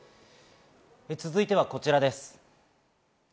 続いてはこちらです。